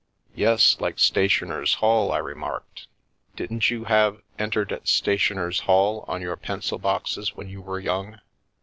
" Yes, like ' Stationers' Hall/ " I remarked. " Didn't you have ' Entered at Stationers' Hall ' on your pencil boxes when you were young?